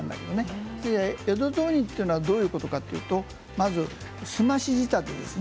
江戸雑煮というのはどういうことかというとまず澄まし仕立てですね